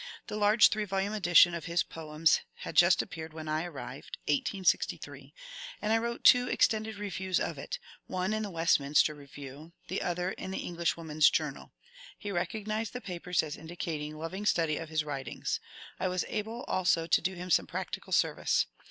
The large three volume edition of his poems had just ap peared when I arrived (1863), and I wrote two extended reviews of it, one in the " Westminster Review," the other in the ^^ Englishwoman's Journal." He recognized the papers as indicating loving study of his writings. I was able also to do him some practical service.